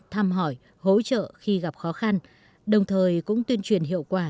thăm hỏi hỗ trợ khi gặp khó khăn đồng thời cũng tuyên truyền hiệu quả